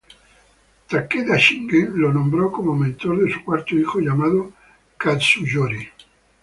Takeda Shingen lo nombró como mentor de su cuarto hijo llamado Katsuyori.